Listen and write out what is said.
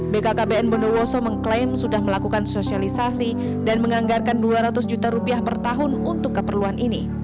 bkkbn bondowoso mengklaim sudah melakukan sosialisasi dan menganggarkan dua ratus juta rupiah per tahun untuk keperluan ini